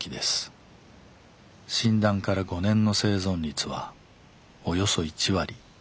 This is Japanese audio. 診断から５年の生存率はおよそ１割。